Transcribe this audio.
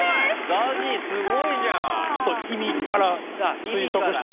ＺＡＺＹすごいじゃん。